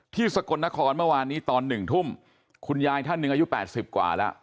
สกลนครเมื่อวานนี้ตอน๑ทุ่มคุณยายท่านหนึ่งอายุ๘๐กว่าแล้ว